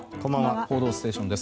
「報道ステーション」です。